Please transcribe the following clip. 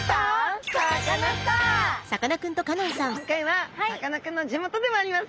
さあ今回はさかなクンの地元でもあります